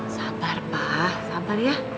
sabar pa sabar ya